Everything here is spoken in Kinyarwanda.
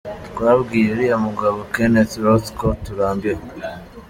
Twabwiye uriya mugabo Kenneth Roth ko turambiwe.